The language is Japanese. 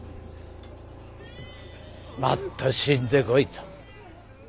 もっと死んでこいと。